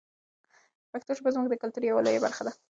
پښتو ژبه زموږ د کلتور یوه لویه برخه ده.